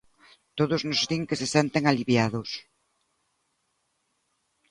Todos nos din que se senten aliviados.